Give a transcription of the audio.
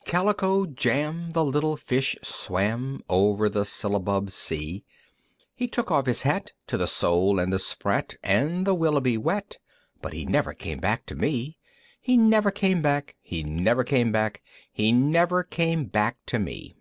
II. Calico Jam, The little Fish swam Over the syllabub sea, He took off his hat, To the Sole and the Sprat, And the Willeby wat, But he never came back to me! He never came back! He never came back! He never came back to me!